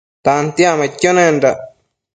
Tantiacmaidquio nendac